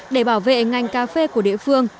để bảo vệ ngành cà phê của địa phương